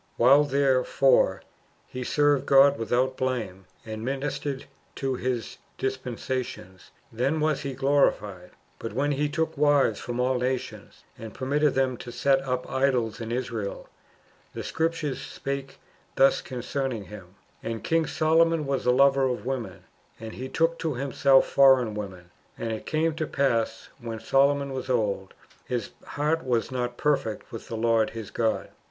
AVliile, therefore, he served God without blame, and ministered to His dispensations, then was he glorified : but when he took wives from all nations, and permitted them to set up idols in Israel, the Scripture spake thus concerning him :" And King Solomon was a lover of women, and he took to himself foreign women ; and it came to pass, when Solomon was old, his heart was not perfect with the Lord his God.